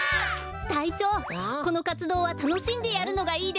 たいちょうこのかつどうはたのしんでやるのがいいですね。